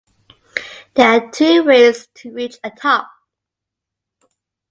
There are two ways to reach atop.